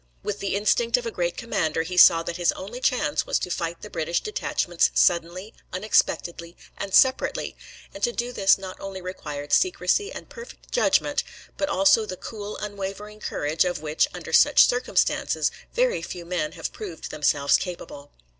With the instinct of a great commander he saw that his only chance was to fight the British detachments suddenly, unexpectedly, and separately, and to do this not only required secrecy and perfect judgment, but also the cool, unwavering courage of which, under such circumstances, very few men have proved themselves capable.